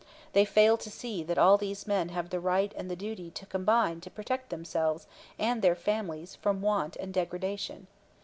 They fail to see that all these men have the right and the duty to combine to protect themselves and their families from want and degradation.